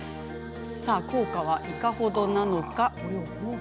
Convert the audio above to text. さあ、効果はいかほどか。